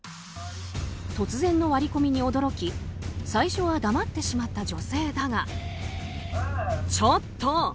突然の割り込みに驚き最初は黙ってしまった女性だが。